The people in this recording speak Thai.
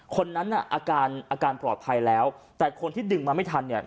คนนั้นน่ะอาการอาการปลอดภัยแล้วแต่คนที่ดึงมาไม่ทันเนี่ย